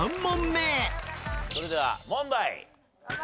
それでは問題。